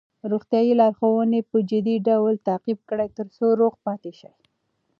روغتیايي لارښوونې په جدي ډول تعقیب کړئ ترڅو روغ پاتې شئ.